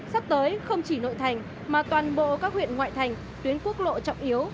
sắp tới không chỉ nội thành mà toàn bộ các huyện ngoại thành tuyến quốc lộ trọng yếu